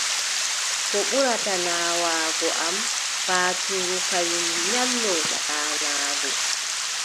Ko ɓurata naawaago am, paatuuru kanyum nyalla ɗaanaago.